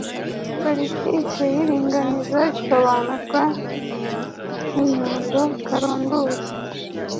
Politiki y'iringaniza isobanurwa nk'inyundo karundura